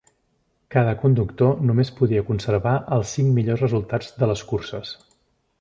Cada conductor només podia conservar els cinc millors resultats de les curses.